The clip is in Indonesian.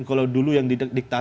kalau dulu yang di diktasi